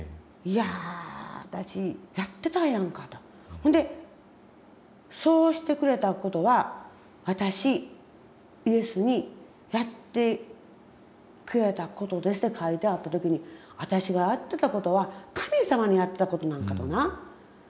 ほんで「そうしてくれたことはわたしイエスにやってくれたことです」って書いてあった時に私がやってたことは神様にやってたことなんかとな。